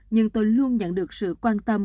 nhưng tôi luôn nhận được sự quan tâm